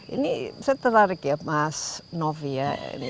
ini saya tertarik ya mas novi ya